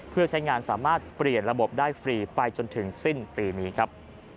เพื่อใช้งานสามารถเปลี่ยนระบบได้ฟรีไปจนถึงสิ้นปีนี้ครับ